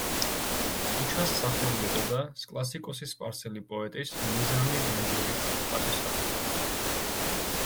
ქუჩას სახელი ეწოდა კლასიკოსი სპარსელი პოეტის, ნიზამი განჯევის პატივსაცემად.